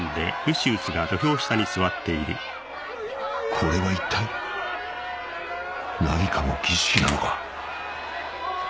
これは一体何かの儀式なのか？